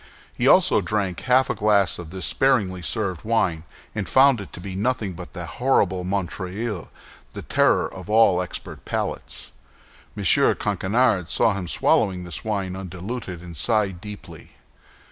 He also drank half a glass of this sparingly served wine, and found it to be nothing but that horrible Montreuil—the terror of all expert palates. M. Coquenard saw him swallowing this wine undiluted, and sighed deeply.